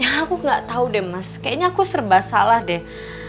aku gak tau deh mas kayaknya aku serba salah deh